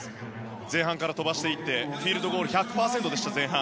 前半から飛ばしていって前半はフィールドゴール１００％でした。